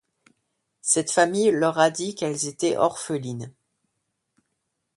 Cette famille leur a dit qu'elles étaient orphelines.